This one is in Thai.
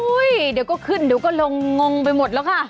เดี๋ยวก็ขึ้นเดี๋ยวก็ลงงงไปหมดแล้วค่ะ